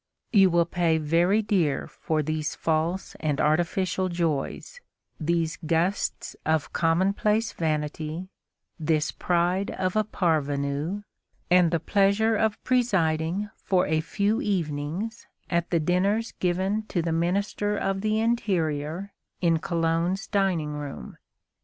You will pay very dear for these false and artificial joys, these gusts of commonplace vanity, this pride of a parvenu, and the pleasure of presiding for a few evenings at the dinners given to the Minister of the Interior in Calonne's dining room.